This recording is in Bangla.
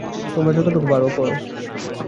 তোমরা যতটুকু পার, কর।